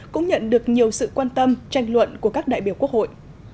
cũng nhận được nhiều sự quan tâm tranh luận của các đại biểu quốc hội